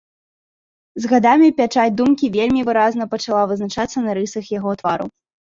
З гадамі пячаць думкі вельмі выразна пачала вызначацца на рысах яго твару.